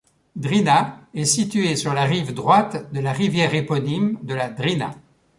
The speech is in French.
Drina est située sur la rive droite de la rivière éponyme de la Drina.